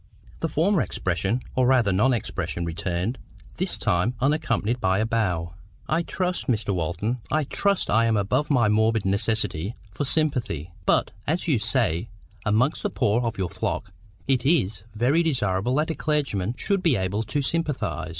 The former expression, or rather non expression, returned; this time unaccompanied by a bow. "I trust, Mr. Walton, I TRUST I am above any morbid necessity for sympathy. But, as you say, amongst the poor of your flock,—it IS very desirable that a clergyman should be able to sympathise."